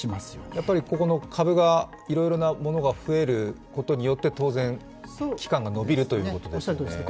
やっぱりこの株がいろいろなものが増えることによって当然期間が延びるということですね。